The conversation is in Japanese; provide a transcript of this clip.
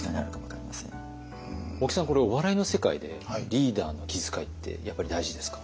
大木さんこれお笑いの世界でリーダーの気遣いってやっぱり大事ですか？